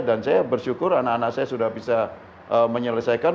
dan saya bersyukur anak anak saya sudah bisa menyelesaikan